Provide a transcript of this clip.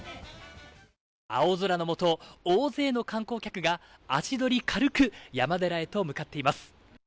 青空の下、大勢の観光客が足取り軽く山寺へと向かっています。